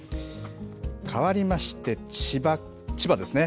かわりまして千葉ですね。